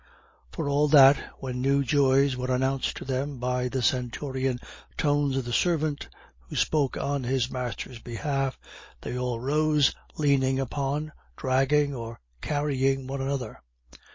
For all that, when new joys were announced to them by the stentorian tones of the servant, who spoke on his master's behalf, they all rose, leaning upon, dragging or carrying one another.